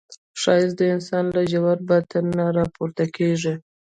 ښایست د انسان له ژور باطن نه راپورته کېږي